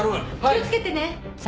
気をつけてね！